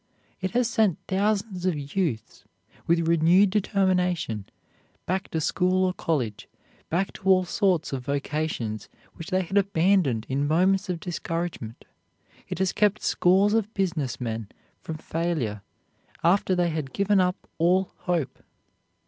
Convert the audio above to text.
It has sent thousands of youths, with renewed determination, back to school or college, back to all sorts of vocations which they had abandoned in moments of discouragement. It has kept scores of business men from failure after they had given up all hope.